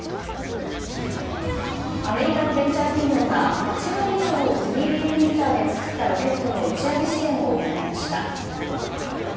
アメリカのベンチャー企業が８割以上を３Ｄプリンターで作ったロケットの打ち上げ試験を行いました。